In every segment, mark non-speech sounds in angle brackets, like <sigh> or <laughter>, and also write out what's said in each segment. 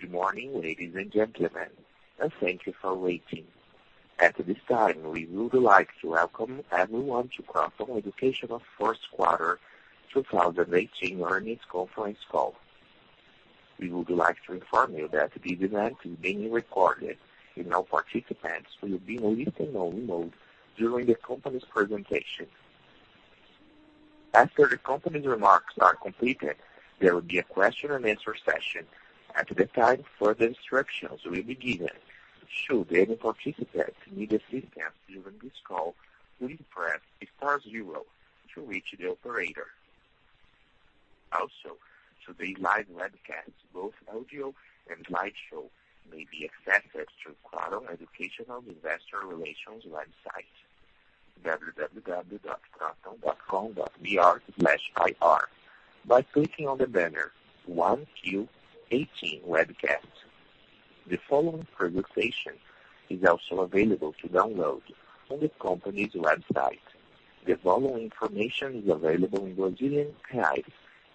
Good morning, ladies and gentlemen, and thank you for waiting. At this time, we would like to welcome everyone to Kroton Educacional fourth quarter 2018 earnings conference call. We would like to inform you that this event is being recorded, and all participants will be in listen-only mode during the company's presentation. After the company's remarks are completed, there will be a question-and-answer session. At the time, further instructions will be given. Should any participants need assistance during this call, please press star zero to reach the operator. Also, today's live webcast, both audio and slideshow, may be accessed through Kroton Educacional Investor Relations website, www.kroton.com.br/ir, by clicking on the banner 1Q18 Webcast. The following presentation is also available to download on the company's website. The following information is available in Brazilian reais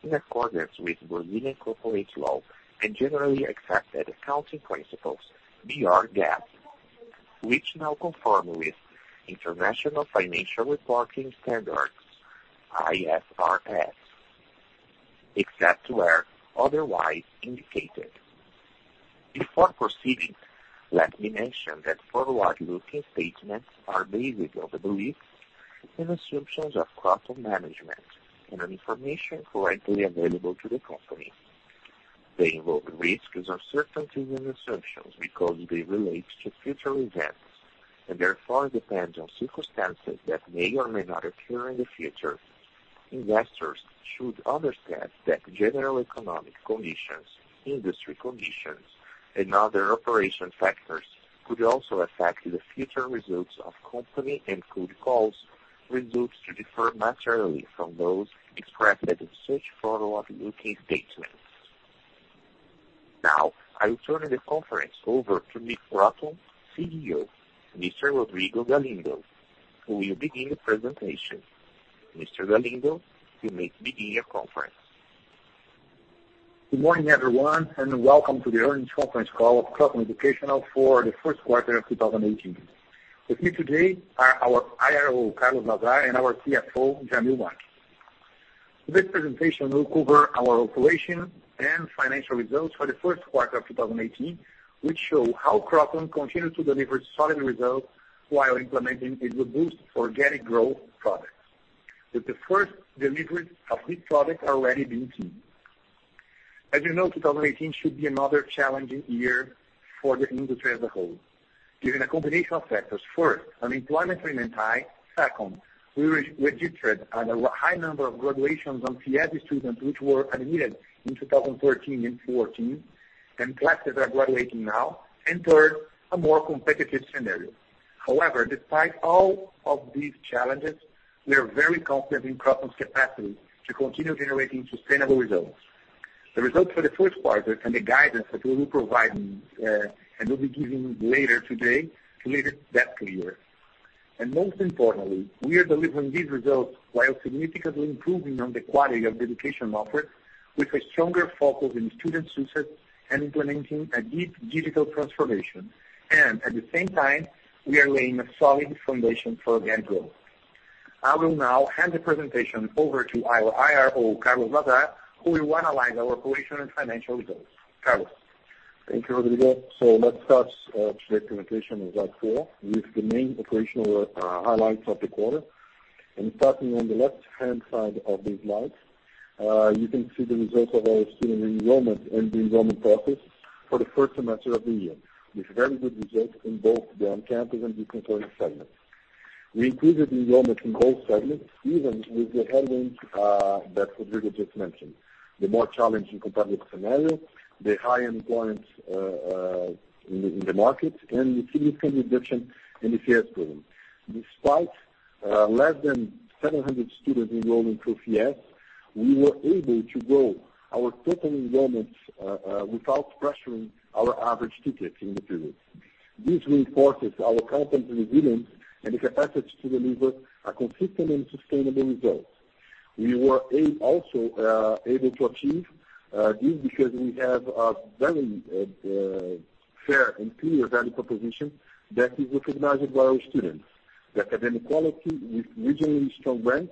in accordance with Brazilian corporate law and generally accepted accounting principles, BR GAAP, which now conform with International Financial Reporting Standards, IFRS, except where otherwise indicated. Before proceeding, let me mention that forward-looking statements are based on the beliefs and assumptions of Kroton management and on information currently available to the company. They involve risks, uncertainties, and assumptions because they relate to future events, and therefore depend on circumstances that may or may not occur in the future. Investors should understand that general economic conditions, industry conditions, and other operational factors could also affect the future results of company and could cause results to differ materially from those expressed in such forward-looking statements. Now, I will turn the conference over to the Kroton CEO, Mr. Rodrigo Galindo, who will begin the presentation. Mr. Galindo, you may begin your conference. Good morning, everyone, and welcome to the earnings conference call of Kroton Educacional for the first quarter of 2018. With me today are our IRO, Carlos Lazar, and our CFO, Jamil Marschiarelli. This presentation will cover our operations and financial results for the first quarter of 2018, which show how Kroton continues to deliver solid results while implementing a robust organic growth product, with the first delivery of this product already being seen. As you know, 2018 should be another challenging year for the industry as a whole, given a combination of factors. First, unemployment remains high. Second, we registered a high number of graduations on FIES students, which were admitted in 2013 and 2014, and classes are graduating now. And third, a more competitive scenario. However, despite all of these challenges, we are very confident in Kroton's capacity to continue generating sustainable results. The results for the first quarter and the guidance that we'll be giving later today make that clear. And most importantly, we are delivering these results while significantly improving on the quality of the education offered, with a stronger focus on student success and implementing a deep digital transformation. And at the same time, we are laying a solid foundation for organic growth. I will now hand the presentation over to our IRO, Carlos Lazar, who will analyze our operational and financial results. Carlos. Thank you, Rodrigo. Let's start today's presentation on slide four with the main operational highlights of the quarter. Starting on the left-hand side of this slide, you can see the results of our student enrollment and the enrollment process for the first semester of the year, with very good results in both the on-campus and distance learning segments. We increased enrollment in both segments, even with the headwinds that Rodrigo just mentioned: the more challenging competitive scenario, the high unemployment in the market, and the significant reduction in the FIES program. Despite less than 700 students enrolled in FIES, we were able to grow our total enrollments without pressuring our average ticket in the period. This reinforces our company's resilience and its efforts to deliver consistent and sustainable results. We were also able to achieve this because we have a very fair and clear value proposition that is recognized by our students. The academic quality is regionally strong brand,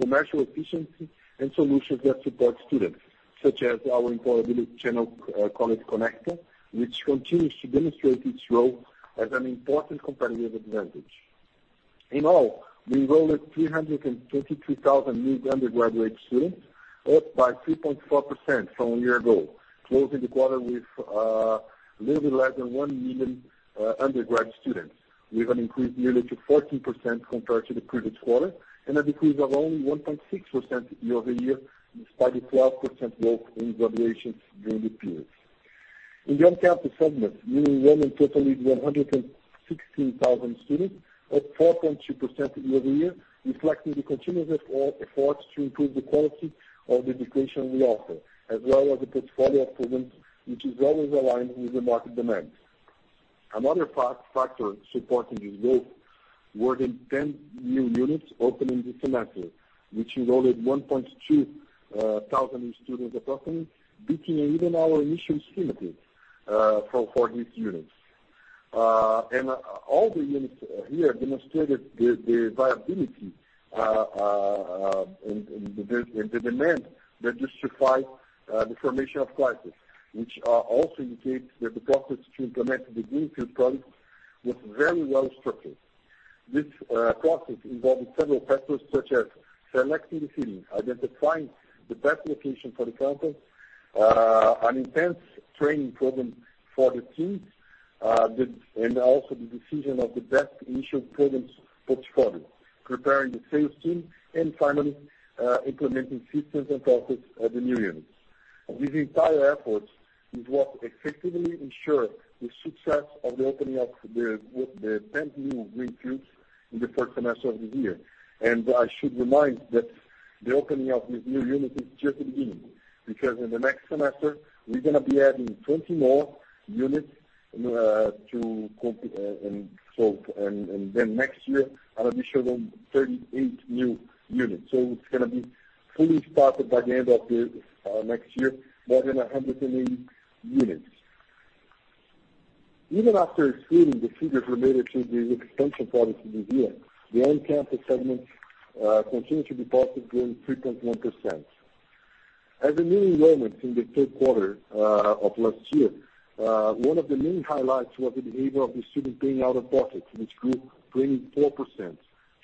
commercial efficiency, and solutions that support students, such as our employability channel, Canal Conecta, which continues to demonstrate its role as an important competitive advantage. In all, we enrolled 323,000 new undergraduate students, up by 3.4% from a year ago, closing the quarter with a little bit less than 1 million undergrad students. We have an increase yearly to 14% compared to the previous quarter, and a decrease of only 1.6% year-over-year, despite a 12% drop in graduations during the period. In the on-campus segment, we enrolled in totally 116,000 students, up 4.2% year-over-year, reflecting the continuous efforts to improve the quality of the education we offer, as well as the portfolio of programs, which is always aligned with the market demands. Another factor supporting this growth were the 10 new units opened in the semester, which enrolled 1,200 new students approximately, beating even our initial estimates for these units. All the units here demonstrated the viability and the demand that justified the formation of classes, which also indicates that the process to implement the greenfield projects was very well-structured. This process involved several factors such as selecting the cities, identifying the best location for the campus, an intense training program for the teams, and also the decision of the best initial programs portfolio, preparing the sales team, and finally, implementing systems and processes at the new units. This entire effort is what effectively ensured the success of the opening of the 10 new greenfields in the first semester of the year. I should remind that the opening of these new units is just the beginning, because in the next semester, we're going to be adding 20 more units. Next year, an additional 38 new units. It's going to be fully started by the end of next year, more than 120 units. Even after excluding the figures related to the expansion projects this year, the on-campus segment continued to deposit gain 3.1%. As a new enrollment in the third quarter of last year, one of the main highlights was the behavior of the student paying out-of-pocket, which grew 24%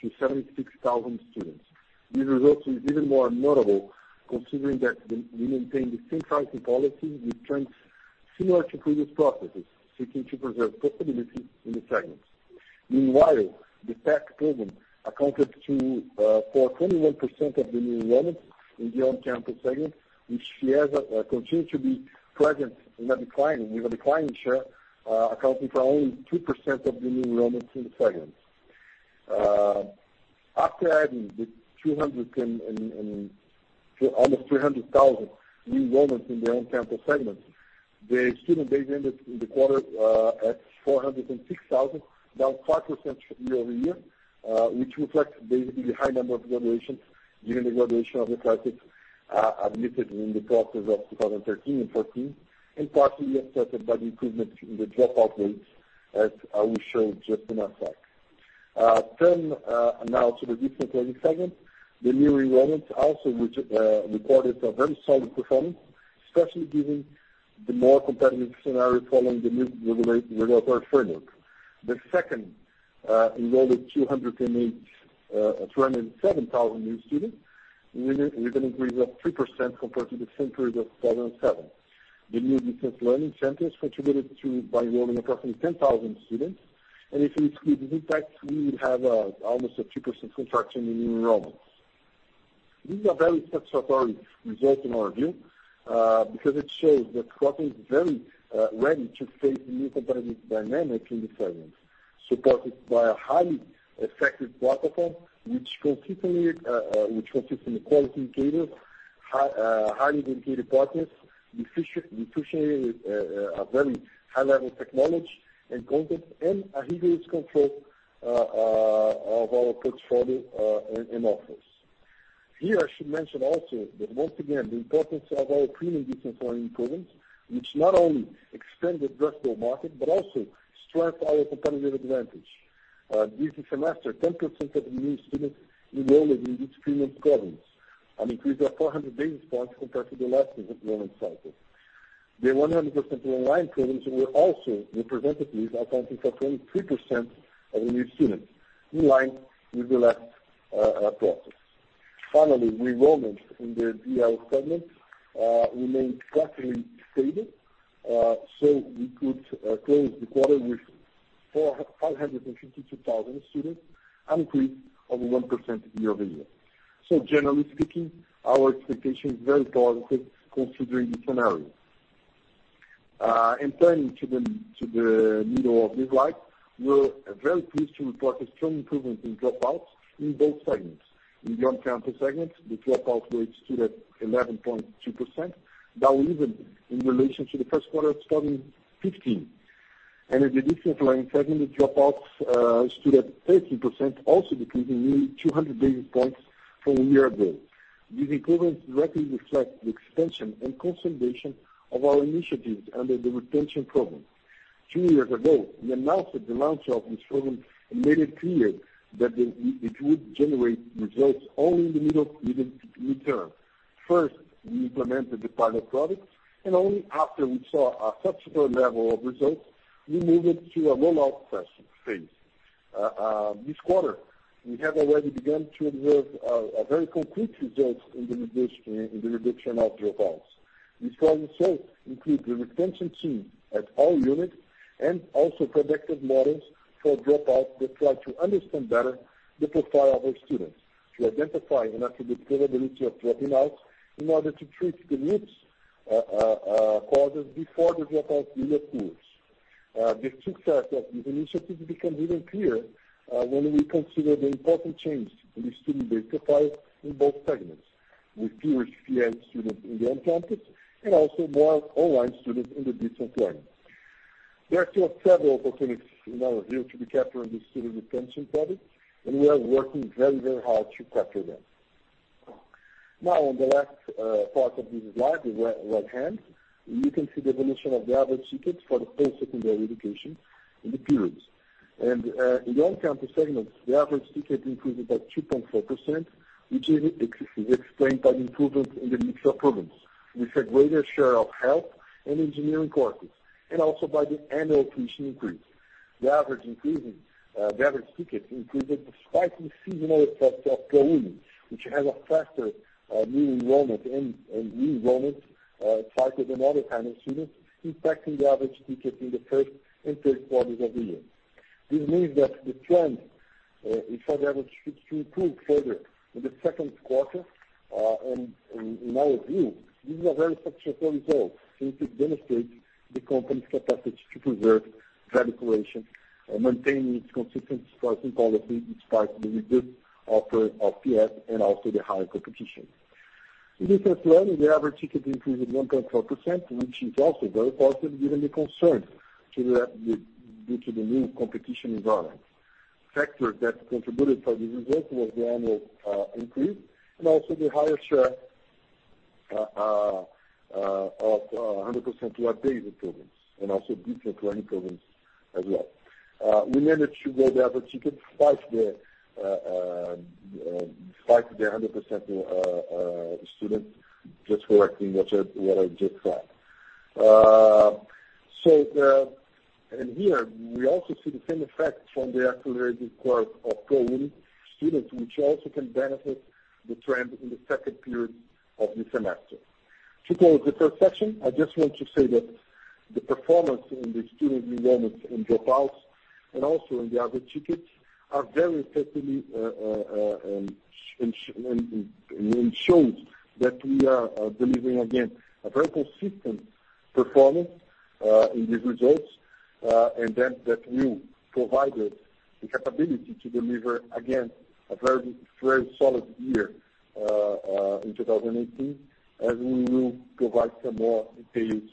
to 76,000 students. This result is even more notable considering that we maintain the same pricing policy with trends similar to previous processes, seeking to preserve profitability in the segment. Meanwhile, the PEP program accounted for 21% of the new enrollments in the on-campus segment, which continues to be present with a declining share, accounting for only 2% of the new enrollments in the segment. After adding the almost 300,000 new enrollments in the on-campus segment, the student base ended the quarter at 406,000, down 5% year-over-year, which reflects basically the high number of graduations given the graduation of the classes admitted in the process of 2013 and 2014, and partly affected by the improvement in the dropout rates, as I will show just in a sec. Turning now to the distance learning segment. The new enrollments also recorded a very solid performance, especially given the more competitive scenario following the new regulatory framework. The second enrolled 207,000 new students, with an increase of 3% compared to the same period of 2017. The new distance learning centers contributed to by enrolling approximately 10,000 students. If we exclude this impact, we would have almost a 3% contraction in enrollments. These are very satisfactory results in our view, because it shows that the company is very ready to face the new competitive dynamics in the segment, supported by a highly effective platform, which consists in a quality indicator, highly dedicated partners, a very high-level technology and content, and a rigorous control of our portfolio and offers. Here, I should mention also that once again, the importance of our premium distance learning programs, which not only expand addressable market but also strengthen our competitive advantage. This semester, 10% of the new students enrolled in these premium programs, an increase of 400 basis points compared to the last enrollment cycle. The 100% online programs were also represented, accounting for 23% of the new students, in line with the last process. Finally, enrollments in the DL segment remained slightly stable. We could close the quarter with 552,000 students, an increase of 1% year-over-year. Generally speaking, our expectation is very positive considering the scenario. Turning to the needle of metrics, we're very pleased to report a strong improvement in dropouts in both segments. In the on-campus segment, the dropout rate stood at 11.2%, now even in relation to the first quarter of 2015. In the distance learning segment, the dropouts stood at 13%, also decreasing nearly 200 basis points from a year ago. These improvements directly reflect the expansion and consolidation of our initiatives under the retention program. Two years ago, we announced the launch of this program and made it clear that it would generate results only in the medium term. First, we implemented the pilot products, and only after we saw a subsequent level of results, we moved to a rollout phase. This quarter, we have already begun to observe a very concrete result in the reduction of dropouts. This positive result includes the retention team at all units, also predictive models for dropouts that try to understand better the profile of our students. To identify and attribute probability of dropping out in order to treat the root causes before the dropout really occurs. The success of these initiatives becomes even clear when we consider the important changes in the student base profile in both segments. With fewer PL students in the on-campus, also more online students in the distance learning. There are still several opportunities in our view to be captured in the student retention product, we are working very, very hard to capture them. On the last part of this slide, the right-hand, you can see the evolution of the average ticket for the post-secondary education in the periods. In the on-campus segments, the average ticket increased by 2.4%, which is explained by improvements in the mix of programs with a greater share of health and engineering courses, also by the annual tuition increase. The average ticket increased despite the seasonal effect of ProUni, which has a faster new enrollment and re-enrollment cycle than other kinds of students, impacting the average ticket in the first and third quarters of the year. This means that the trend is for the average ticket to improve further in the second quarter. In our view, this is a very successful result since it demonstrates the company's capacity to preserve value creation and maintain its consistent pricing policy despite the reduced offer of PL, also the higher competition. In distance learning, the average ticket increased 1.4%, which is also very positive given the concerns due to the new competition environment. Factors that contributed to this result was the annual increase, also the higher share of 100% to our basic programs, also distance learning programs as well. We managed to grow the average ticket despite the 100% student, just correcting what I just said. Here we also see the same effect from the accelerated course of ProUni students, which also can benefit the trend in the second period of the semester. To close the first section, I just want to say that the performance in the student enrollments and dropouts, also in the average tickets, are very effectively and shows that we are delivering, again, a very consistent performance in these results. That will provide us the capability to deliver, again, a very solid year in 2018, as we will provide some more details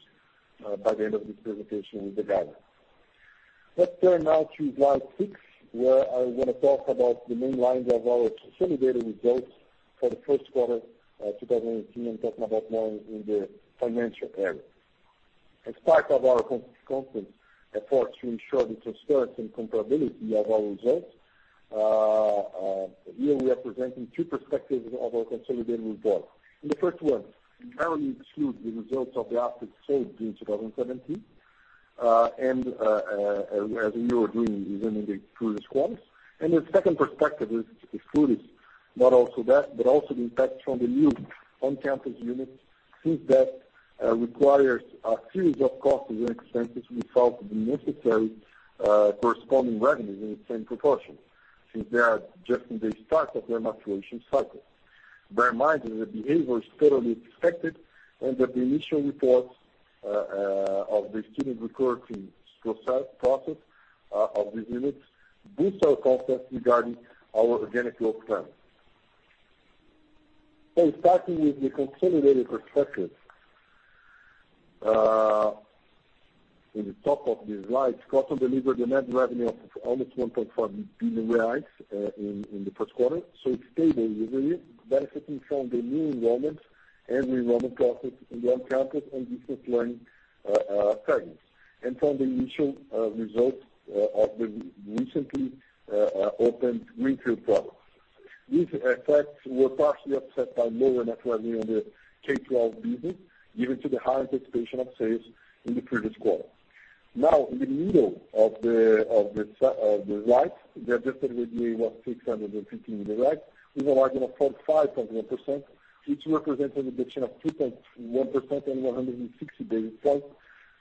by the end of this presentation with the guidance. Let's turn now to slide six, where I want to talk about the main lines of our consolidated results for the first quarter 2018, talk about more in the financial area. As part of our company's constant effort to ensure the transparency and comparability of our results, here we are presenting two perspectives of our consolidated results. In the first one, we exclude the results of the assets sold in 2017. As you're doing, is in the previous quarters. The second perspective includes not also that, but also the impact from the new on-campus units, since that requires a series of costs and expenses without the necessary corresponding revenues in the same proportion, since they are just in the start of their maturation cycle. Bear in mind that the behavior is totally expected and that the initial reports of the student recruiting process of these units boost our confidence regarding our organic growth plan. Starting with the consolidated perspective. In the top of this slide, Kroton delivered a net revenue of almost 1.5 billion reais in the first quarter. It's stable year-over-year, benefiting from the new enrollment and re-enrollment process in the on-campus and distance learning segments. From the initial results of the recently opened retail products. These effects were partially offset by lower net revenue in the K12 business due to the high anticipation of sales in the previous quarter. In the middle of the slide, the adjusted EBITDA was 615 million with a margin of 45.1%, which represented a reduction of 3.1% and 160 basis points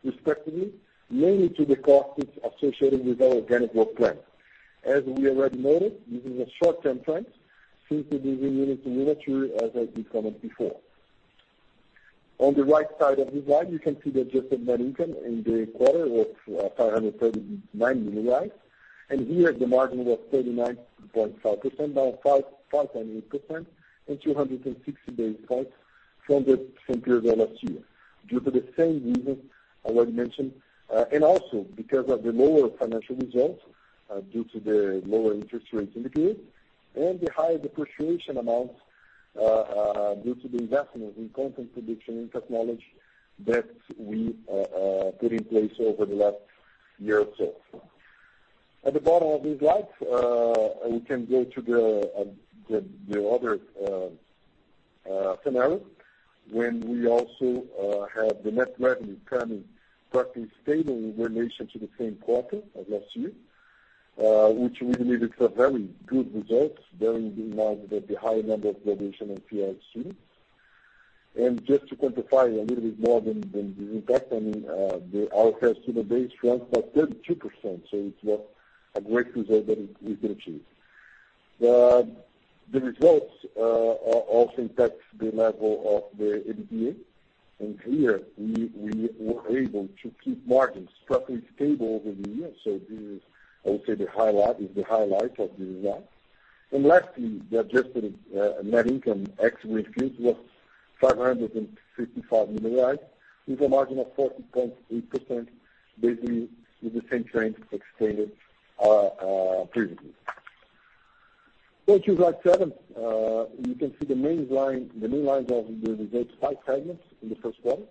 respectively, mainly to the costs associated with our organic growth plan. As we already noted, this is a short-term trend since the business units are immature as I commented before. On the right side of this slide, you can see the adjusted net income in the quarter was 539 million. Here the margin was 39.5%, down 5.8% and 260 basis points from the same period last year due to the same reasons I already mentioned. Also because of the lower financial results due to the lower interest rates in the period and the higher depreciation amounts due to the investments in content production and technology that we put in place over the last year or so. At the bottom of this slide, we can go to the other scenario when we also have the net revenue turning practically stable in relation to the same quarter of last year, which we believe is a very good result bearing in mind that the high number of graduation and PL students. Just to quantify a little bit more than the impact on our student base, it was 32%, it's a great result that we've achieved. The results also impact the level of the EBITDA. Here, we were able to keep margins structurally stable over the year. This, I would say, is the highlight of the result. Lastly, the adjusted net income <inaudible> was 555 million, with a margin of, <inaudible> basically with the same trend explained previously. Going to slide seven. You can see the main lines of the results by segments in the first one.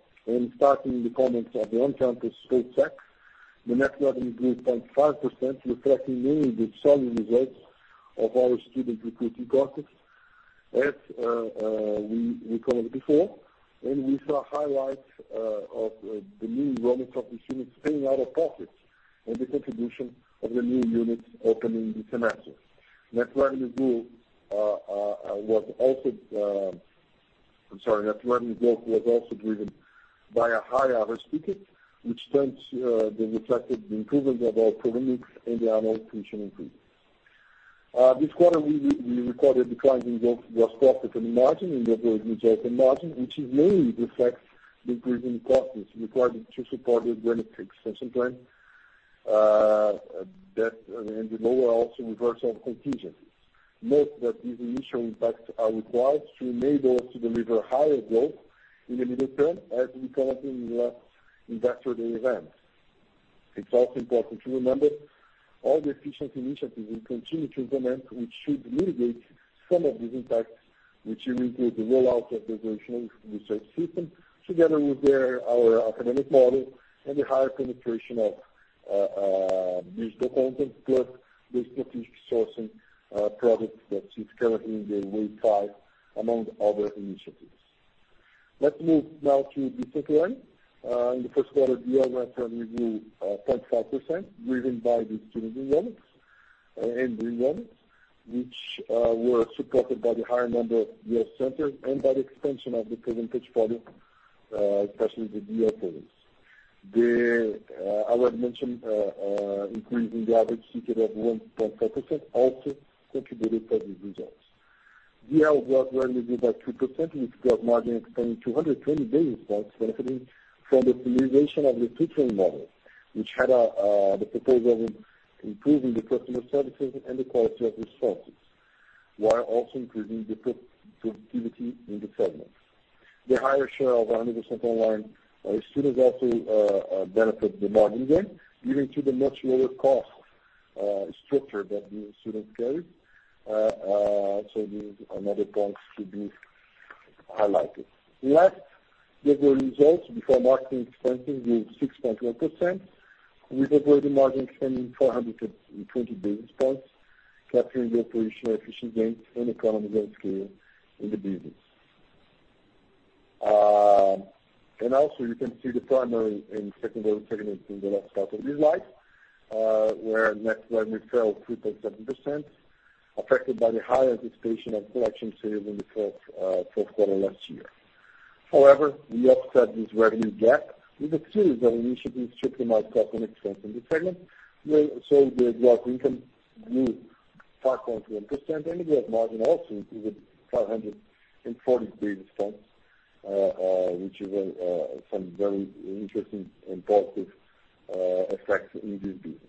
Starting the comments at the On-Campus school segment, the net revenue grew 5%, reflecting mainly the solid results of our student recruiting process, as we commented before. We saw highlights of the new enrollments of the students paying out-of-pocket, and the contribution of the new units opening this semester. Net revenue growth was also driven by a higher average ticket, which tends to be reflected in the improvement of our curriculum and the annual tuition increase. This quarter, we recorded declining gross profit and margin and the operating income margin, which mainly reflects the increasing costs required to support the growth expansion plan, and the lower also reversal of contingencies. Note that these initial impacts are required to enable us to deliver higher growth in the middle term, as we commented in last Investor Day event. It's also important to remember all the efficiency initiatives we continue to implement, which should mitigate some of these impacts, which include the rollout of the original research system, together with our academic model and the higher penetration of digital content, plus the strategic sourcing project that is currently in the wave 5, among other initiatives. Let's move now to Distance Learning. In the first quarter, the net revenue grew 5%, driven by the student enrollments and renew enrollments, which were supported by the higher number of U.S. centers and by the expansion of the curriculum portfolio, especially the DL courses. The already mentioned increase in the average ticket of 1.7% also contributed to these results. DL growth revenue by 2% with gross margin expanding 220 basis points benefiting from the realization of the tutoring model, which had the purpose of improving the customer services and the quality of responses, while also improving the productivity in the segment. The higher share of 100% online students also benefit the margin gain, due to the much lower cost structure that these students carry. These are another points to be highlighted. Last, the other results before marketing expenses grew 6.1%, with operating margin expanding 420 basis points, capturing the operational efficiency gains and economies of scale in the business. Also, you can see the primary and secondary segments in the left half of this slide, where net revenue fell 3.7%, affected by the higher anticipation of collection sales in the fourth quarter last year. However, we offset this revenue gap with a series of initiatives to optimize cost and expense in the segment. The income grew 5.3%, and the gross margin also improved 540 basis points, which is some very interesting and positive effects in this business.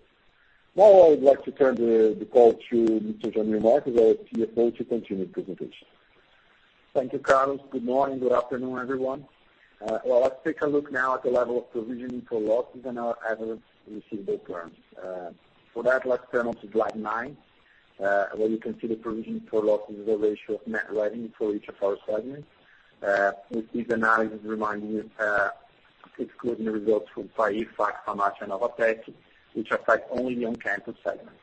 Now I would like to turn the call to Mr. Jamil Marschiarelli, our CFO, to continue the presentation. Thank you, Carlos. Good morning. Good afternoon, everyone. Let's take a look now at the level of provisioning for losses in our average receivable terms. For that, let's turn on to slide nine, where you can see the provisioning for losses as a ratio of net revenue for each of our segments, with this analysis reminding you, excluding the results from PAEX, Facfa, Macha, NOVATEC, which affect only the On-Campus segment.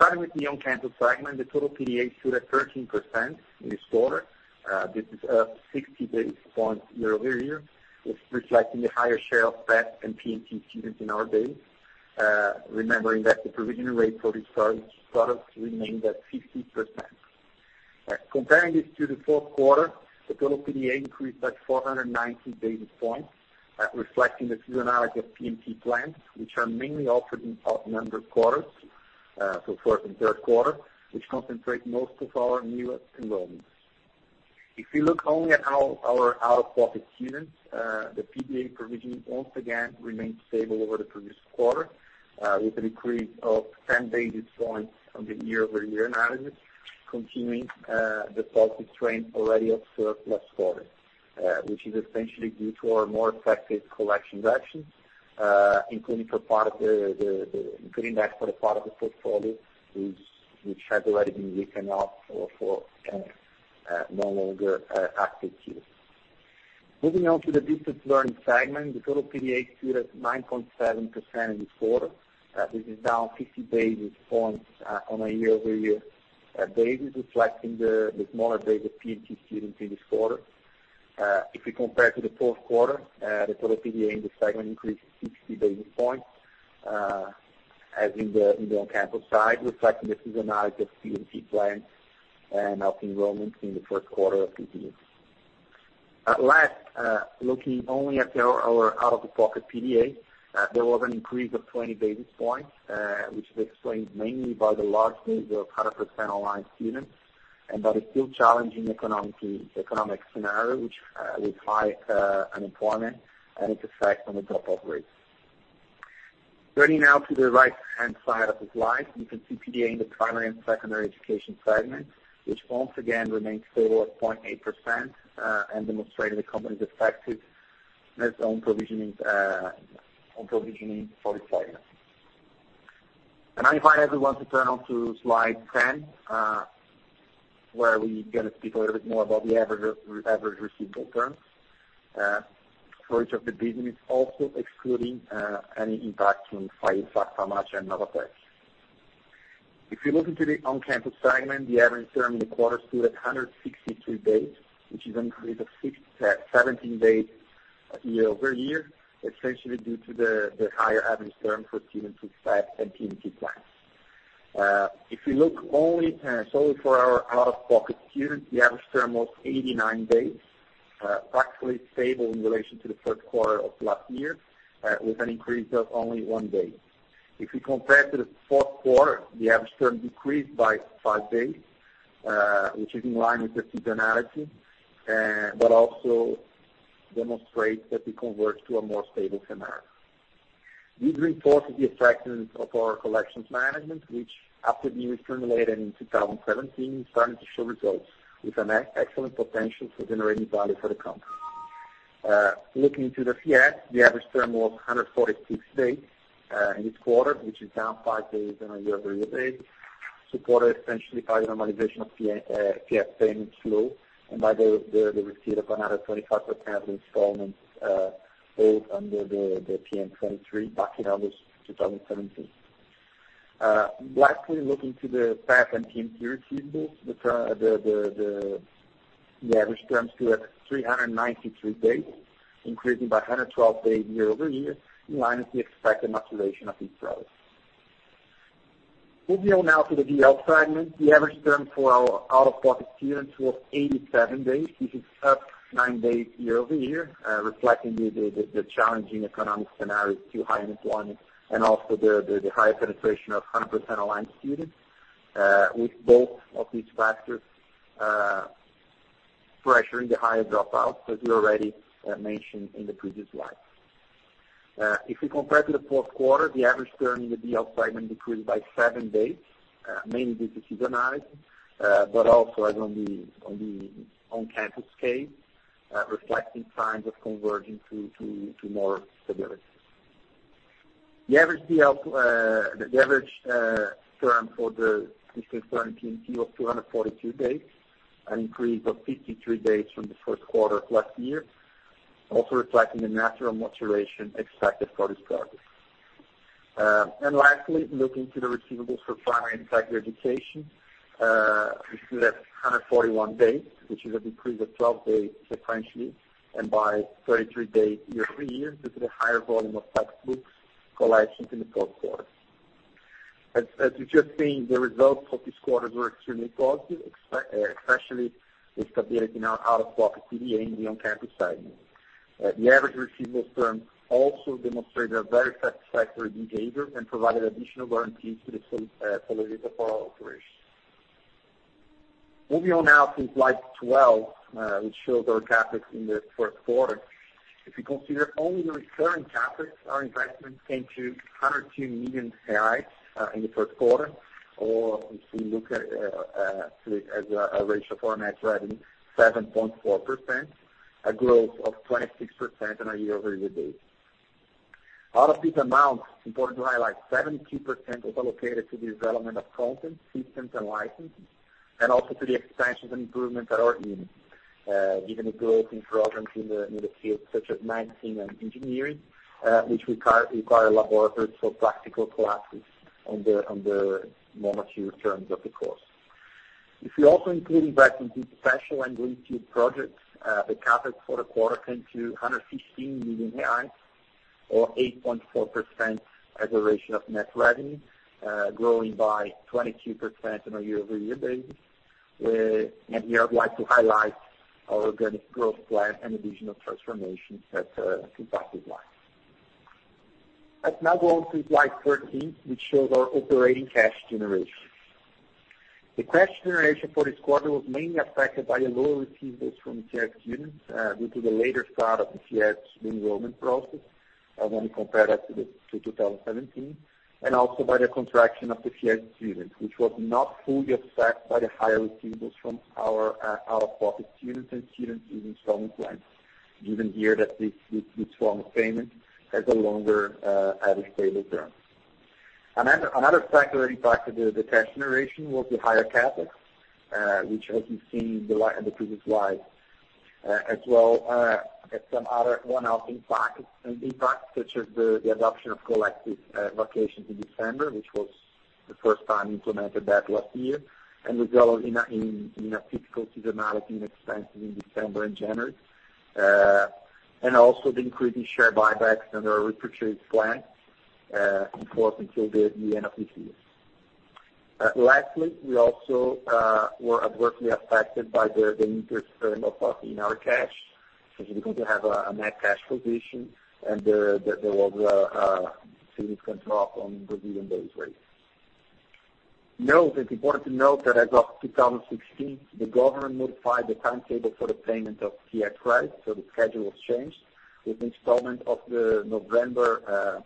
Starting with the On-Campus segment, the total PDD stood at 13% this quarter. This is up 60 basis points year-over-year. It's reflecting the higher share of PEP and PMT students in our base. Remembering that the provisioning rate for these products remained at 50%. Comparing this to the fourth quarter, the total PDD increased by 490 basis points, reflecting the seasonality of P&T plans, which are mainly offered in odd-numbered quarters, so fourth and third quarters, which concentrate most of our newer enrollments. If you look only at our out-of-pocket students, the PDD provisioning once again remained stable over the previous quarter, with a decrease of 10 basis points on the year-over-year analysis, continuing the positive trend already observed last quarter, which is essentially due to our more effective collections actions, including for a part of the portfolio, which had already been written off for no longer active use. Moving on to the Distance Learning segment, the total PDD stood at 9.7% in this quarter. This is down 50 basis points on a year-over-year basis, reflecting the smaller base of P&T students in this quarter. If we compare to the fourth quarter, the total PDD in this segment increased 60 basis points, as in the On-Campus side, reflecting the seasonality of P&T plans and of enrollments in the first quarter of this year. At last, looking only at our out-of-pocket PDD, there was an increase of 20 basis points, which is explained mainly by the large base of 100% online students, and by the still challenging economic scenario, with high unemployment and its effect on the drop-off rates. Turning now to the right-hand side of the slide, you can see PDD in the primary and secondary education segment, which once again remains total of 0.8% and demonstrating the company's effectiveness on provisioning for this segment. I invite everyone to turn on to slide 10, where we are going to speak a little bit more about the average receivable terms for each of the business, also excluding any impact from FAESA, FAMA, and NOVATEC. If you look into the On-Campus segment, the average term in the quarter stood at 163 days, which is an increase of 17 days year-over-year, essentially due to the higher average term for student success and P&T plans. If we look only solely for our out-of-pocket students, the average term was 89 days, practically stable in relation to the first quarter of last year, with an increase of only one day. If we compare to the fourth quarter, the average term decreased by five days, which is in line with the seasonality, but also demonstrates that we converge to a more stable scenario. This reinforces the effectiveness of our collections management, which after being reformulated in 2017, is starting to show results with an excellent potential for generating value for the company. Looking into the Fies, the average term was 146 days in this quarter, which is down five days on a year-over-year basis, supported essentially by the normalization of Fies payment flow and by the receipt of another 25% of installments paid under the PN 23 back in August 2017. Lastly, looking to the PEP and PMT receivables, the average terms stood at 393 days, increasing by 112 days year-over-year in line with the expected maturation of these products. Moving on now to the DL segment. The average term for our out-of-pocket students was 87 days. This is up nine days year-over-year, reflecting the challenging economic scenario to high unemployment, and also the higher penetration of 100% online students. With both of these factors pressuring the higher dropouts, as we already mentioned in the previous slide. If we compare to the fourth quarter, the average term in the DL segment decreased by seven days, mainly due to seasonality, but also as on the on-campus case, reflecting signs of converging to more stability. The average term for the existing P&T was 242 days, an increase of 53 days from the first quarter of last year, also reflecting the natural maturation expected for this product. Lastly, looking to the receivables for primary and secondary education, we stood at 141 days, which is a decrease of 12 days sequentially and by 33 days year-over-year due to the higher volume of textbooks collections in the fourth quarter. As you've just seen, the results for this quarter were extremely positive, especially with stability in our out-of-pocket PDD in the on-campus segment. The average receivables term also demonstrated a very satisfactory behavior and provided additional guarantees to the solidity of our operations. Moving on now to slide 12, which shows our CapEx in the first quarter. If you consider only the recurring CapEx, our investment came to 102 million in the first quarter, or if you look at it as a ratio format revenue, 7.4%, a growth of 26% on a year-over-year basis. Out of these amounts, important to highlight, 72% was allocated to the development of content systems and licensing, and also to the expansions and improvements at our units. Given the growth in programs in the field such as nursing and engineering, which require laboratories for practical classes on the more mature terms of the course. If we also include investments in special and greenfield projects, the CapEx for the quarter came to 116 million reais or 8.4% as a ratio of net revenue, growing by 22% on a year-over-year basis. Here I would like to highlight our organic growth plan and additional transformations at Copacabana. Let's now go on to slide 13, which shows our operating cash generation. The cash generation for this quarter was mainly affected by the lower receivables from Fies students due to the later start of the Fies enrollment process when we compare that to 2017, and also by the contraction of the Fies students, which was not fully offset by the higher receivables from our out-of-pocket students and student installment plans. Given here that this form of payment has a longer average payment term. Another factor that impacted the cash generation was the higher CapEx, which as you've seen in the previous slide, as well as some other one-off impacts such as the adoption of collective vacations in December, which was the first time implemented that last year, and resulted in a typical seasonality in expenses in December and January. Also the increasing share buybacks under our repurchase plan in force until the end of this year. Lastly, we also were adversely affected by the interest term of our cash, since we continue to have a net cash position and there was a student drop on Brazilian DI rate. Note that it's important to note that as of 2016, the government modified the timetable for the payment of Fies rights, the schedule was changed, with installment of the November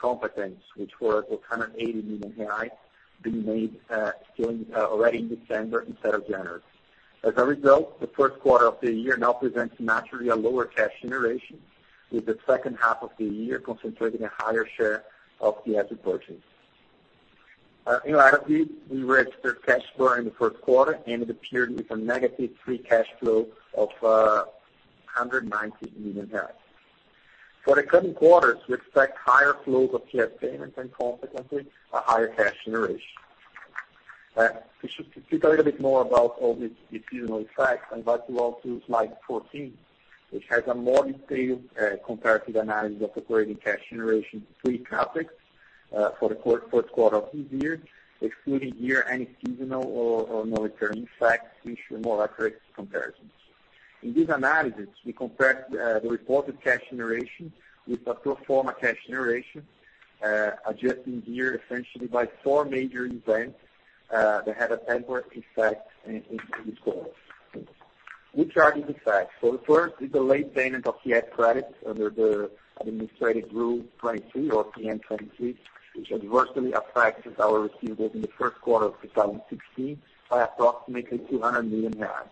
competence, which were 480 million, being made already in December instead of January. As a result, the first quarter of the year now presents naturally a lower cash generation, with the second half of the year concentrating a higher share of the asset portions. In R2, we registered cash flow in the first quarter, and it appeared with a negative free cash flow of BRL 190 million. For the coming quarters, we expect higher flows of Fies payments and consequently, a higher cash generation. To speak a little bit more about all these seasonal effects, invite you all to slide 14, which has a more detailed comparative analysis of operating cash generation pre-CapEx for the fourth quarter of this year, excluding year-end seasonal or non-recurring effects, which show more accurate comparisons. In this analysis, we compared the reported cash generation with a pro forma cash generation, adjusting the year essentially by four major events that had a temporary effect in this quarter. Which are these effects? The first is the late payment of Fies credits under the Portaria Normativa 22 or Portaria Normativa 23, which adversely affected our receivables in the first quarter of 2016 by approximately 200 million reais.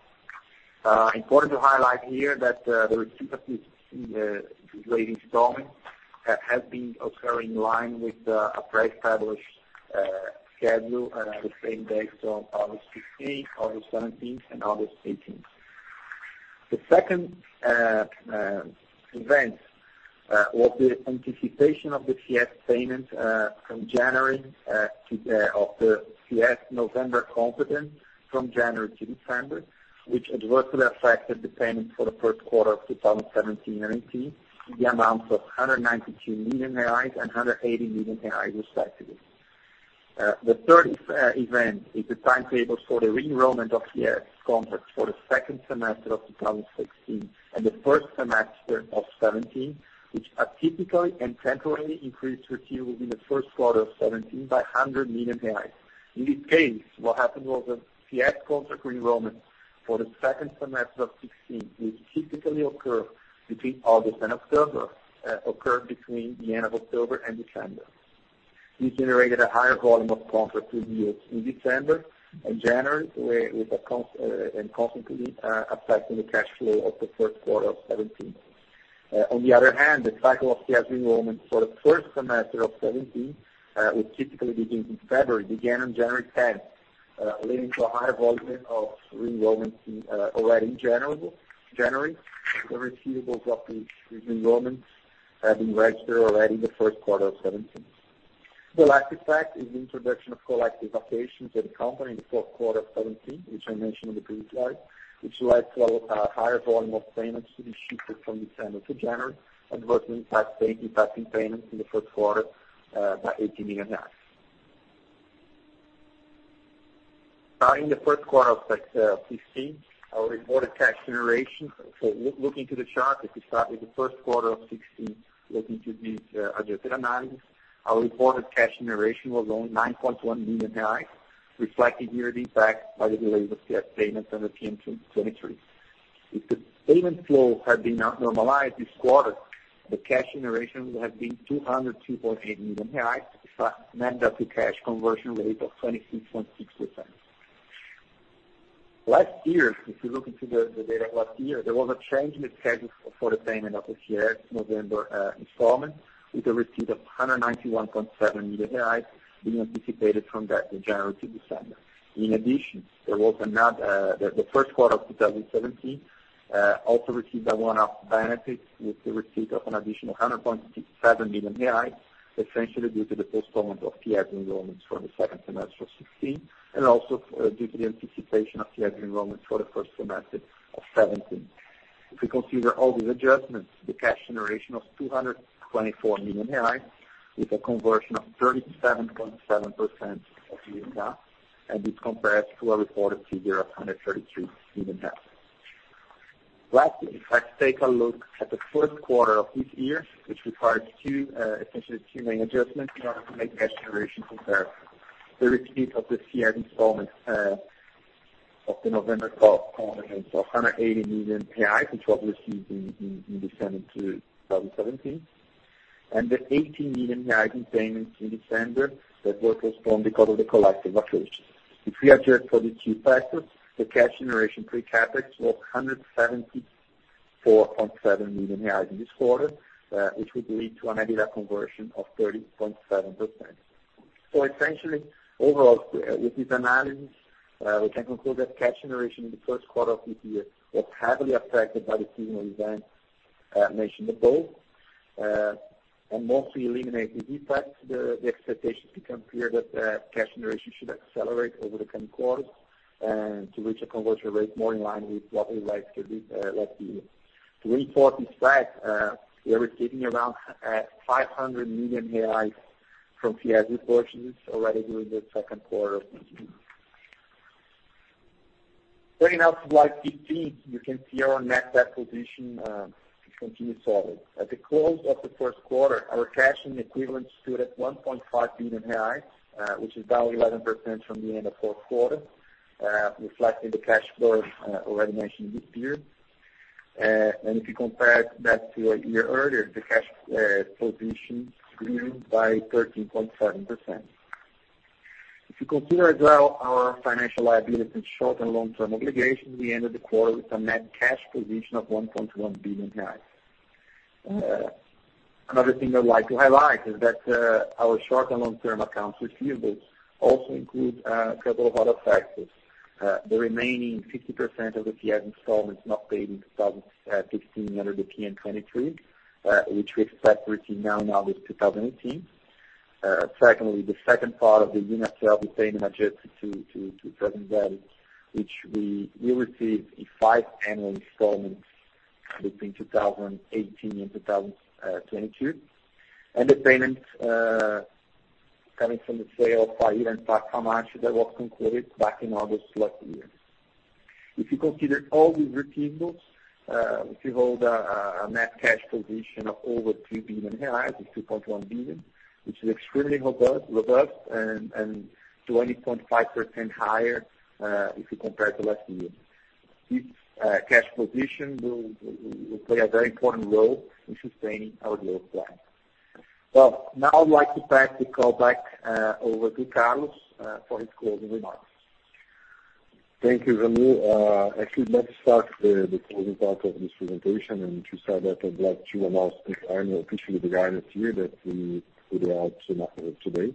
Important to highlight here that the receipt of this late installment has been occurring in line with the pre-established schedule on the same day, August 15th, August 17th, and August 18th. The second event was the anticipation of the Fies payment from January of the Fies November competence from January to December, which adversely affected the payment for the first quarter of 2017 and 2018 in the amounts of 192 million reais and 180 million reais, respectively. The third event is the timetables for the re-enrollment of Fies contracts for the second semester of 2016 and the first semester of 2017, which atypically and temporarily increased receivable in the first quarter of 2017 by 100 million reais. In this case, what happened was that Fies contract re-enrollment for the second semester of 2016, which typically occur between August and October, occurred between the end of October and December. This generated a higher volume of contracts reviews in December and January, and consequently, affecting the cash flow of the first quarter of 2017. On the other hand, the cycle of Fies enrollment for the first semester of 2017, which typically begins in February, began on January 10th, leading to a higher volume of re-enrollments already in January. The receivables of these re-enrollments have been registered already in the first quarter of 2017. The last effect is the introduction of collective vacations at the company in the fourth quarter of 2017, which I mentioned on the previous slide, which led to a higher volume of payments to be shifted from December to January, adversely impacting payments in the first quarter by 80 million. In the first quarter of 2016, our reported cash generation. Looking to the chart, if we start with the first quarter of 2016, looking to this adjusted analysis, our reported cash generation was only 9.1 million, reflected here the impact by the delay of Fies payments under PM 23. If the payment flow had been normalized this quarter, the cash generation would have been 202.8 million, reflecting an EBITDA cash conversion rate of 26.6%. Last year, if you look into the data of last year, there was a change in the schedule for the payment of the Fies November installment, with a receipt of 191.7 million being anticipated from that January to December. The first quarter of 2017 also received a one-off benefit with the receipt of an additional 127 million reais, essentially due to the postponement of Fies enrollments from the second semester of 2016, and also due to the anticipation of Fies enrollments for the first semester of 2017. If we consider all these adjustments, the cash generation of 224 million reais with a conversion of 37.7% of EBITDA, and this compares to a reported figure of 132 million. If I take a look at the first quarter of this year, which requires essentially two main adjustments in order to make cash generation compare. The receipt of the Fies installment of the November 12, 2018, BRL 180 million, which was received in December 2017, and the 18 million in payments in December that were postponed because of the collective vacations. If we adjust for these two factors, the cash generation pre-CapEx was 174.7 million in this quarter, which would lead to an EBITDA conversion of 30.7%. Essentially, overall, with this analysis, we can conclude that cash generation in the first quarter of this year was heavily affected by the seasonal events mentioned above. Once we eliminate the effects, the expectations become clear that cash generation should accelerate over the coming quarters and to reach a conversion rate more in line with what we registered last year. To reinforce this fact, we are receiving around 500 million from Fies reparations already during the second quarter. Turning now to slide 15, you can see our net debt position continues solid. At the close of the first quarter, our cash and equivalents stood at 1.5 billion reais, which is down 11% from the end of fourth quarter, reflecting the cash flows already mentioned this year. If you compare that to a year earlier, the cash position grew by 13.7%. If you consider as well our financial liabilities and short- and long-term obligations, we ended the quarter with a net cash position of 1.1 billion reais. Another thing I'd like to highlight is that our short- and long-term accounts receivables also include a couple of other factors. The remaining 50% of the Fies installments not paid in 2016 under PM 23, which we expect to receive now in August 2018. Secondly, the second part of the UNINASSAU payment adjusted to 2030, which we will receive in five annual installments between 2018 and 2022. The payments coming from the sale of FAHER and FACHAMAT that was concluded back in August last year. If you consider all these receivables, we hold a net cash position of over 3 billion. It is 3.1 billion, which is extremely robust and 20.5% higher if you compare to last year. This cash position will play a very important role in sustaining our growth plan. Well, now I would like to pass the call back over to Carlos for his closing remarks. Thank you, Jamil. Actually, let us start the closing part of this presentation. To start that, I would like to announce this annual official guidance here that we put out today.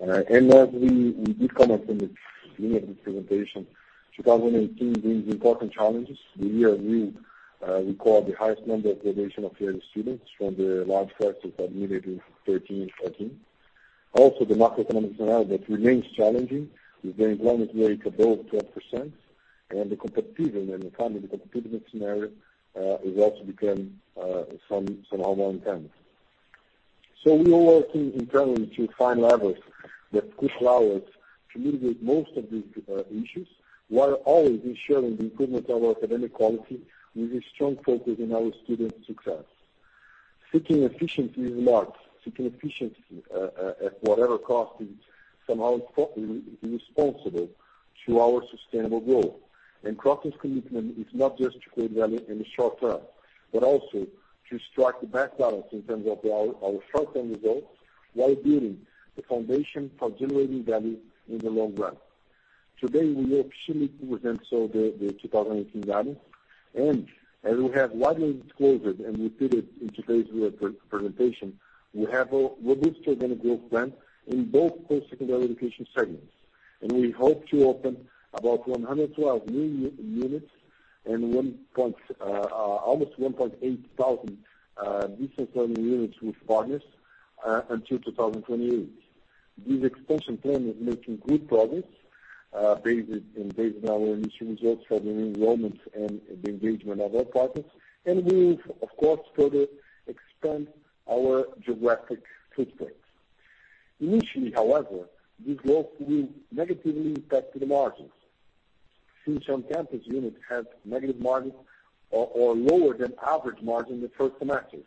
As we did comment in the beginning of the presentation, 2018 brings important challenges. The year knew record the highest number of graduation of higher ed students from the large classes that admitted in 2013 and 2014. Also, the macroeconomic scenario that remains challenging, with the unemployment rate above 12%, and the competitive and economic competitiveness scenario has also become somehow more intense. We are working internally to find levers that could allow us to mitigate most of these issues, while always ensuring the improvement of our academic quality with a strong focus on our student success. Seeking efficiency is large. Seeking efficiency at whatever cost is somehow irresponsible to our sustainable growth. Kroton's commitment is not just to create value in the short term, but also to strike the best balance in terms of our short-term results, while building the foundation for generating value in the long run. Today, we officially present the 2018 guidance, as we have widely disclosed and repeated in today's presentation, we have a robust organic growth plan in both post-secondary education segments. We hope to open about 112 new units and almost 1,800 distance learning units with Vasta until 2028. This expansion plan is making good progress based on our initial results for the enrollments and the engagement of our partners. We have, of course, further expanded our geographic footprint. Initially, however, this growth will negatively impact the margins since on-campus units have negative margin or lower than average margin in the first semesters.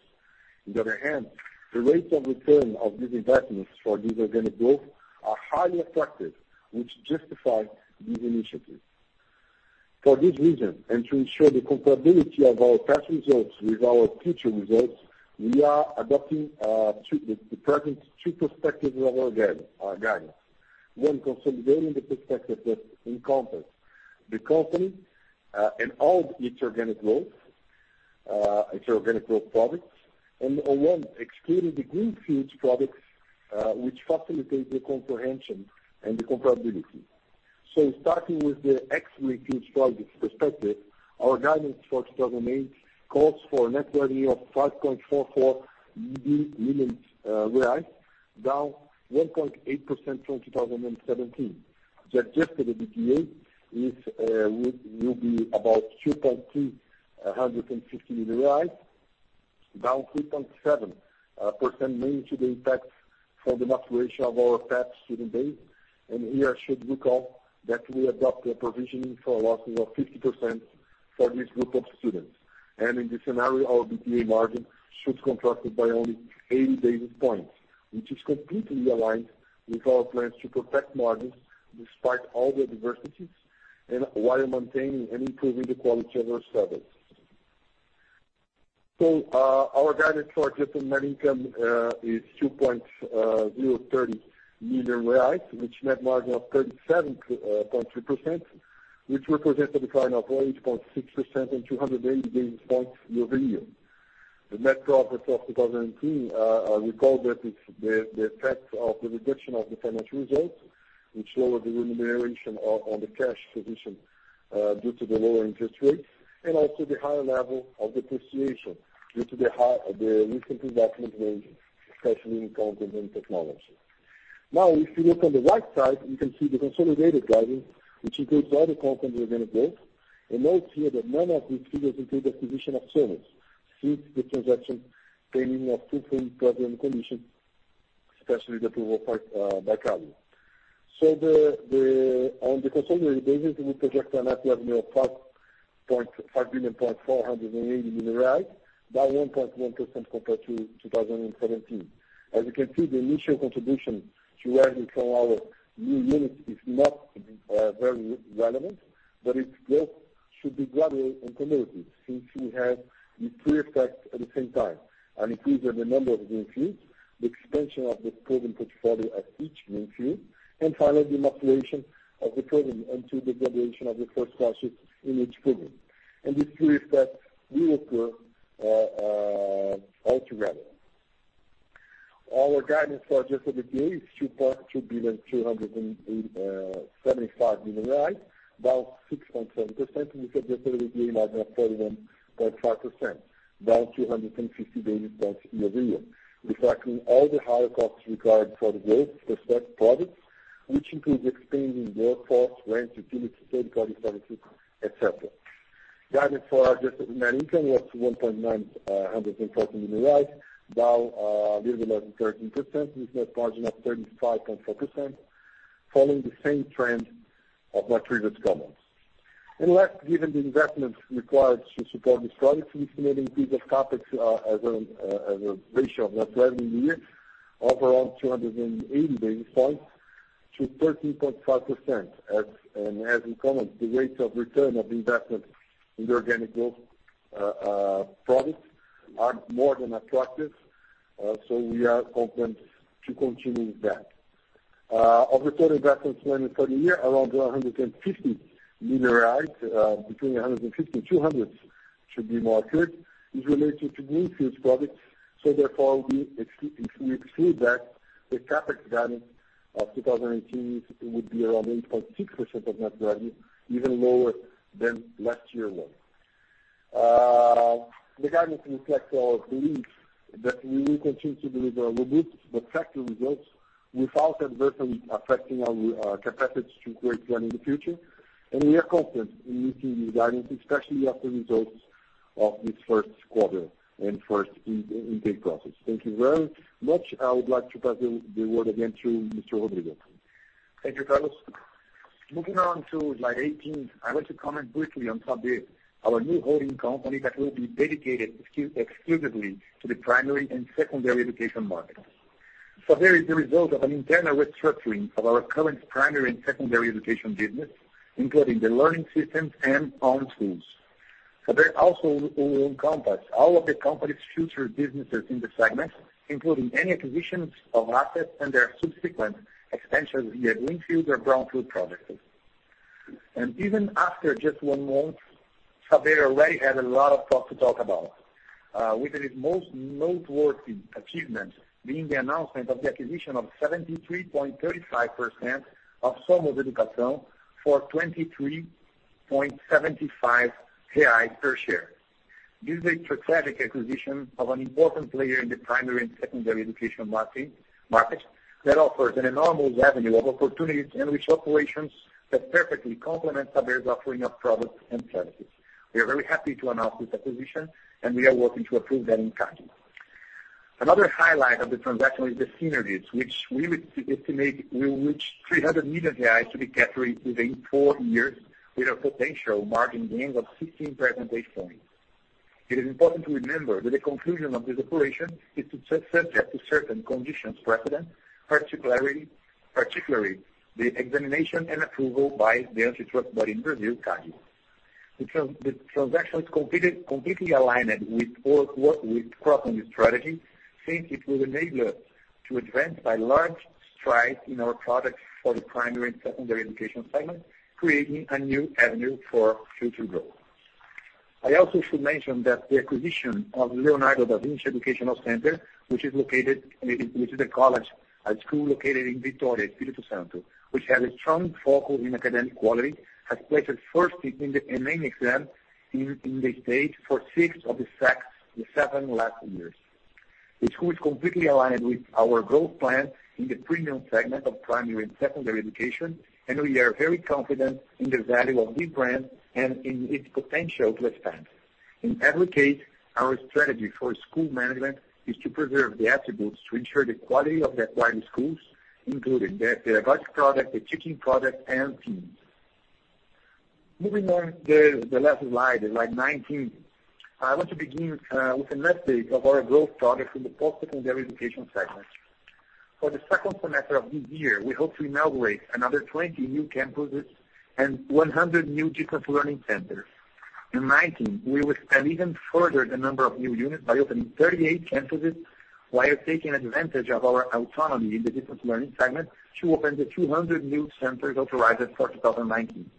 On the other hand, the rates of return of these investments for this organic growth are highly attractive, which justifies these initiatives. For this reason, to ensure the comparability of our past results with our future results, we are adopting the present two perspectives of our guidance. One consolidating the perspective that encompass the company and all its organic growth products, and one excluding the greenfields products, which facilitate the comprehension and the comparability. Starting with the ex-greenfields products perspective, our guidance for 2018 calls for net revenue of 5.44 billion reais, down 1.8% from 2017. The adjusted EBITDA will be about 2.35 billion, down 3.7%, mainly due to impact from the maturation of our FAP student base. Here I should recall that we adopted a provisioning for losses of 50% for this group of students. In this scenario, our EBITDA margin should contract by only 80 basis points, which is completely aligned with our plans to protect margins despite all the adversities and while maintaining and improving the quality of our service. Our guidance for adjusted net income is 2.030 million reais, which net margin of 37.3%, which represents a decline of 8.6% and 280 basis points year-over-year. The net profit of 2018, I recall that it's the effect of the reduction of the financial results, which lowered the remuneration on the cash position due to the lower interest rates and also the higher level of depreciation due to the recent investment waves, especially in content and technology. If you look on the right side, you can see the consolidated guidance, which includes all the company organic growth. Note here that none of these figures include acquisition of Somos since the transaction pending fulfillment program condition. Especially the approval part by CADE. On the consolidated basis, we project a net revenue of 5.5 billion, 480 million reais, by 1.1% compared to 2017. As you can see, the initial contribution to revenue from our new units is not very relevant, but its growth should be gradual and cumulative since we have the three effects at the same time. An increase in the number of greenfields, the expansion of the proven portfolio at each greenfield, and finally, the maturation of the program into the graduation of the first classes in each program. These three effects will occur all together. Our guidance for adjusted EBITDA is 2.275 billion, down 6.7% with adjusted EBITDA margin of 31.5%, down 250 basis points year-over-year, reflecting all the higher costs required for the growth of such products, which includes expanding workforce, rent, utilities, third-party services, et cetera. Guidance for adjusted net income was 1.914 billion, down a little less than 13% with net margin of 35.4%, following the same trend of my previous comments. Last, given the investments required to support these products, we estimate an increase of CapEx as a ratio of net revenue year-over-year around 280 basis points to 13.5%. As in comments, the rates of return of investment in the organic growth products are more than attractive. We are confident to continue that. Of the total investments planned for the year, around 150 million, between 150 and 200 should be more accurate, is related to greenfields products. Therefore, if we exclude that, the CapEx guidance of 2018 would be around 8.6% of net revenue, even lower than last year was. The guidance reflects our belief that we will continue to deliver robust but factual results without adversely affecting our capacity to grow in the future. We are confident in meeting the guidance, especially after results of this first quarter and first intake process. Thank you very much. I would like to pass the word again to Mr. Rodrigo. Thank you, Carlos. Moving on to slide 18, I want to comment briefly on Saber, our new holding company that will be dedicated exclusively to the primary and secondary education market. There is the result of an internal restructuring of our current primary and secondary education business, including the learning systems and own schools. Saber also will encompass all of the company's future businesses in the segment, including any acquisitions of assets and their subsequent expansions via greenfield or brownfield projects. Even after just one month, Saber already has a lot of stuff to talk about. With its most noteworthy achievement being the announcement of the acquisition of 73.35% of Somos Educação for 23.75 reais per share. This is a strategic acquisition of an important player in the primary and secondary education market that offers an enormous avenue of opportunities and rich operations that perfectly complement Saber's offering of products and services. We are very happy to announce this acquisition, and we are working to approve that in CADE. Another highlight of the transaction is the synergies, which we would estimate will reach 300 million reais to be captured within four years with a potential margin gain of 16%. It is important to remember that the conclusion of this operation is subject to certain conditions precedent, particularly the examination and approval by the antitrust body in Brazil, CADE. The transaction is completely aligned with all work with Kroton's strategy since it will enable us to advance by large strides in our products for the primary and secondary education segment, creating a new avenue for future growth. I also should mention that the acquisition of Centro Educacional Leonardo da Vinci, which is a college, a school located in Vitória, Espírito Santo, which has a strong focus in academic quality, has placed first in the Enem exam in the state for six of the seven last years. The school is completely aligned with our growth plan in the premium segment of primary and secondary education, and we are very confident in the value of this brand and in its potential to expand. In every case, our strategy for school management is to preserve the attributes to ensure the quality of the acquired schools, including the pedagogic product, the teaching product, and teams. Moving on the last slide 19. I want to begin with an update of our growth projects in the post-secondary education segment. For the second semester of this year, we hope to inaugurate another 20 new campuses and 100 new distance learning centers. In 2019, we will expand even further the number of new units by opening 38 campuses while taking advantage of our autonomy in the distance learning segment to open the 200 new centers authorized for 2019.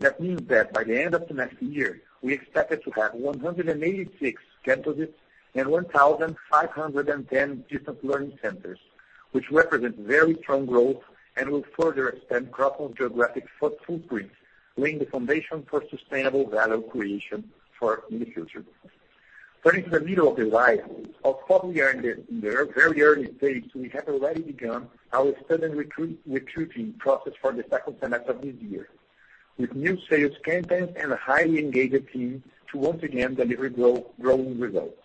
That means that by the end of next year, we expected to have 186 campuses and 1,510 distance learning centers, which represent very strong growth and will further extend Cogna's geographic footprint, laying the foundation for sustainable value creation in the future. Turning to the middle of the slide, although we are in the very early stages, we have already begun our student recruiting process for the second semester of this year. With new sales campaigns and a highly engaged team to once again deliver growing results.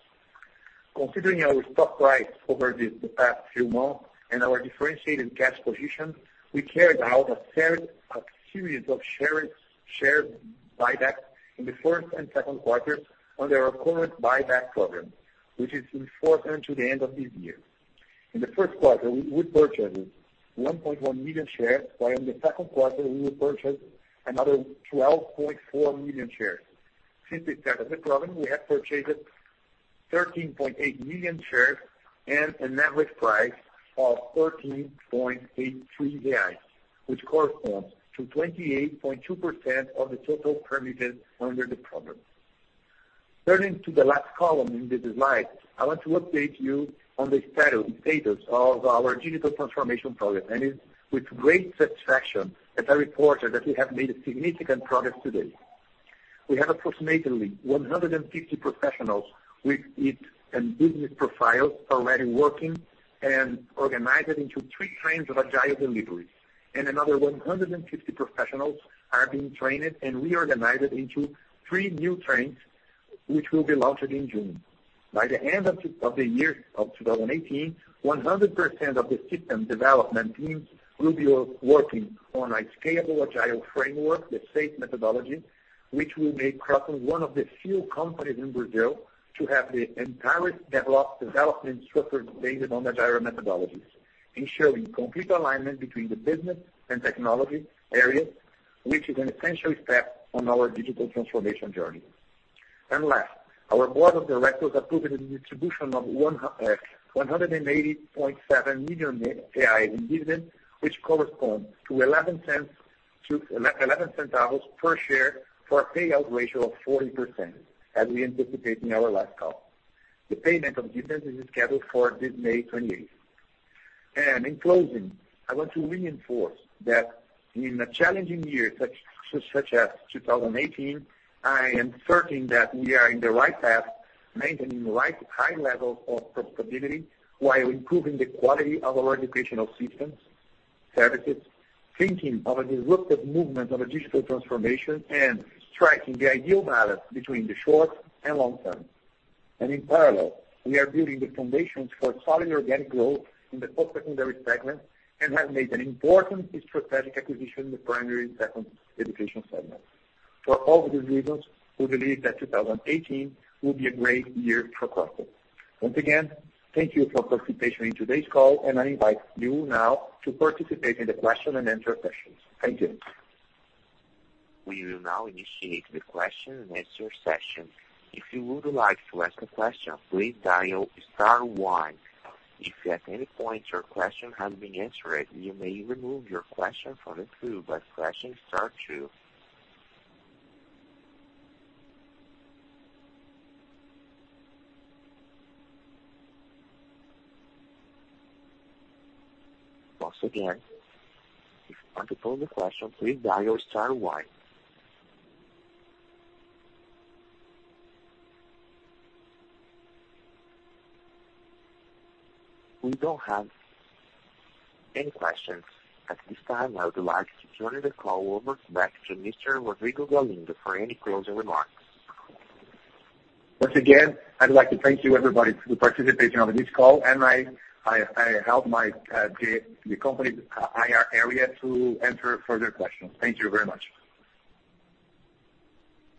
Considering our stock price over the past few months and our differentiated cash position, we carried out a series of share buybacks in the first and second quarters under our current buyback program, which is in force until the end of this year. In the first quarter, we purchased 1.1 million shares, while in the second quarter we purchased another 12.4 million shares. Since the start of the program, we have purchased 13.8 million shares and an average price of 13.83 reais, which corresponds to 28.2% of the total permitted under the program. Turning to the last column in the slide, I want to update you on the status of our digital transformation program. It's with great satisfaction that I report that we have made significant progress to date. We have approximately 150 professionals with business profiles already working and organized into three trains of agile deliveries. Another 150 professionals are being trained and reorganized into three new trains, which will be launched in June. By the end of the year of 2018, 100% of the system development teams will be working on a scalable agile framework, the SAFe methodology, which will make Kroton one of the few companies in Brazil to have the entire development software based on agile methodologies, ensuring complete alignment between the business and technology areas, which is an essential step on our digital transformation journey. Last, our board of directors approved the distribution of 180.7 million reais in dividends, which corresponds to 0.11 per share for a payout ratio of 40%, as we anticipated in our last call. The payment of dividends is scheduled for this May 28th. In closing, I want to reinforce that in a challenging year such as 2018, I am certain that we are on the right path, maintaining high levels of profitability while improving the quality of our educational systems, services, thinking of a disruptive movement of a digital transformation, and striking the ideal balance between the short and long term. In parallel, we are building the foundations for solid organic growth in the post-secondary segment and have made an important strategic acquisition in the primary and secondary education segment. For all these reasons, we believe that 2018 will be a great year for Kroton. Once again, thank you for participating in today's call, and I invite you now to participate in the question and answer session. Thank you. We will now initiate the question and answer session. If you would like to ask a question, please dial star one. If at any point your question has been answered, you may remove your question from the queue by pressing star two. Once again, if you want to pose a question, please dial star one. We don't have any questions at this time. I would like to turn the call over back to Mr. Rodrigo Galindo for any closing remarks. Once again, I'd like to thank you everybody for the participation on this call. I help the company's IR area to answer further questions. Thank you very much.